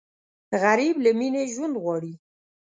غریب له مینې ژوند غواړي